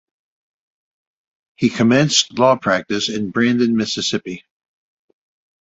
He commenced law practice in Brandon, Mississippi.